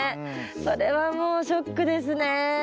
それはもうショックですね。